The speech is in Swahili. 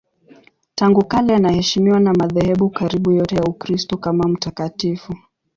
Tangu kale anaheshimiwa na madhehebu karibu yote ya Ukristo kama mtakatifu.